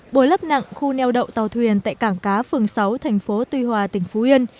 bồi lấp nặng khu neo đậu tàu thuyền tại cảng cá phường sáu tp tuy hòa tỉnh phú yên